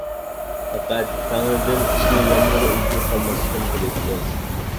پەقەت تەڭرىدىن ئىشنىڭ يامىنىغا ئۆزگىرىپ قالماسلىقىنى تىلەيتتىم.